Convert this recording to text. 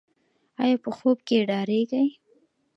ایا په خوب کې ډاریږي؟